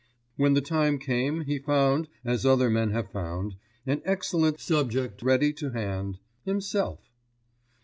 When the time came he found, as other men have found, an excellent subject ready to hand—himself.